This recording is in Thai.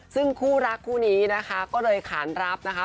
ซึ่งคู่รักคู่นี้นะคะก็เลยขานรับนะคะ